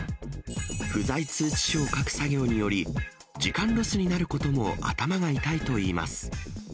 不在通知書を書く作業により、時間ロスになることも頭が痛いといいます。